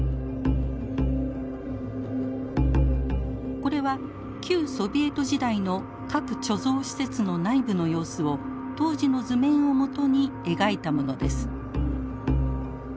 これは旧ソビエト時代の核貯蔵施設の内部の様子を当時の図面を基に描いたものです。